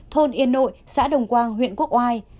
thôn yên nội xã đồng quang huyện quốc oai